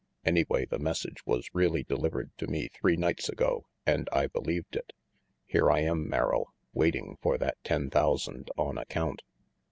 Anyway, the message was really delivered to me three nights ago and I believed it. Here I am, Merrill, waiting for that ten thousand on account."